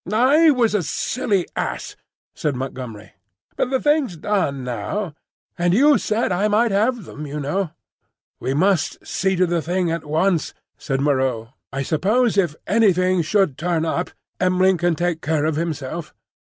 "I was a silly ass," said Montgomery. "But the thing's done now; and you said I might have them, you know." "We must see to the thing at once," said Moreau. "I suppose if anything should turn up, M'ling can take care of himself?"